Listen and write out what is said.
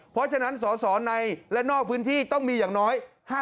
เพราะฉะนั้นสสในและนอกพื้นที่ต้องมีอย่างน้อย